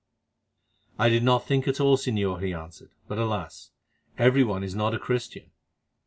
"I did not think at all, Señor," he answered; "but alas! every one is not a Christian.